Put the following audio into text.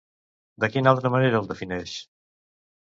De quina altra manera el defineix?